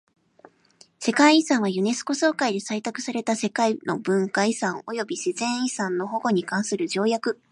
世界遺産はユネスコ総会で採択された世界の文化遺産及び自然遺産の保護に関する条約に基づいて世界遺産リストに登録された文化財、景観、自然など。